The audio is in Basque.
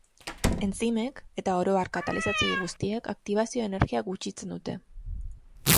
Entzimek, eta oro har katalizatzaile guztiek, aktibazio energia gutxitzen dute.